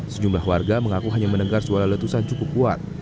sejumlah warga mengaku hanya mendengar suara letusan cukup kuat